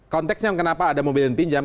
konteksnya kenapa ada mobil yang pinjam